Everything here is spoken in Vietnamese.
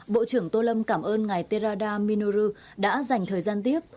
bộ trưởng tô lâm cảm ơn ngài terada minoru đã dành thời gian tiếc